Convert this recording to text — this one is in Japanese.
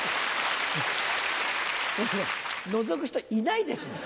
のぞく人いないですよ。